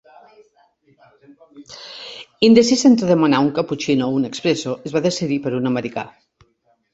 Indecisa entre demanar un caputxino o un expresso, es va decidir per un americà.